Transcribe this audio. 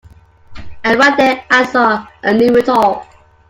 And right there I saw and knew it all.